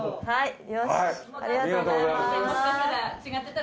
はい。